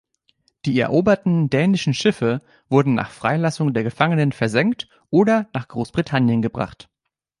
Die eroberten dänischen Schiffe wurden nach Freilassung der Gefangenen versenkt oder nach Großbritannien gebracht.